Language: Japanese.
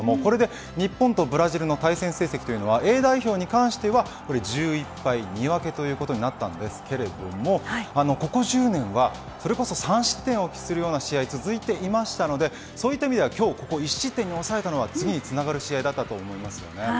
日本とブラジルの対戦成績はＡ代表に関しては１１敗２分けということになりましたがここ１０年は３失点を喫するような試合が続いていたのでそういった意味では今日は１失点に抑えたのは次につながる試合だったといえます。